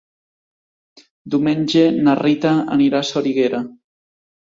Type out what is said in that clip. Diumenge na Rita anirà a Soriguera.